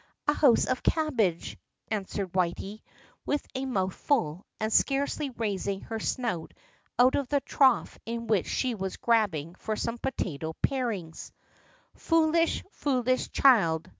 "A house of cabbage," answered Whity, with a mouth full, and scarcely raising her snout out of the trough in which she was grubbing for some potato parings. "Foolish, foolish child!"